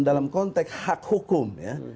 dalam konteks hak hukum ya